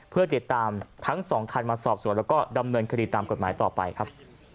เพื่อติดตามทั้งสองคันมาสอบสวนแล้วก็ดำเนินคดีตามกฎหมายต่อไปครับ